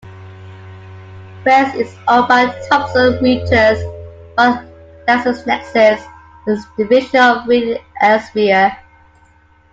West is owned by Thomson Reuters, while LexisNexis is a division of Reed Elsevier.